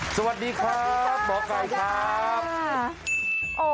สวัสดีครับหมอไก่ครับ